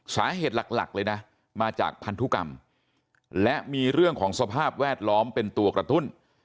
สาเหตุหลักเลยนะมาจากพันธุกรรมและมีเรื่องของสภาพแวดล้อมเป็นตัวกระตุ้น